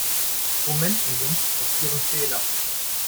Wo Menschen sind, passieren Fehler.